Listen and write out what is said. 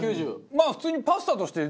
まあ普通に。